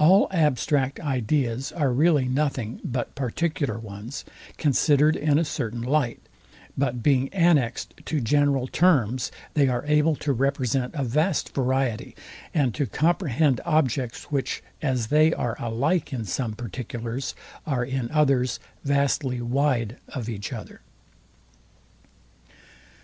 All abstract ideas are really nothing but particular ones, considered in a certain light; but being annexed to general terms, they are able to represent a vast variety, and to comprehend objects, which, as they are alike in some particulars, are in others vastly wide of each other.